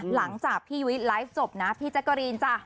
หลังจากพี่ยุ้ยไลฟ์จบนะพี่แจ๊กกะรีนจ้ะ